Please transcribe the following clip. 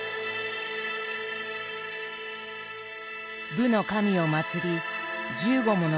武の神を祭り１５もの